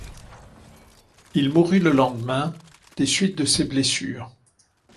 Il mourut le lendemain des suites de ses blessures.